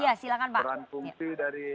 iya silahkan pak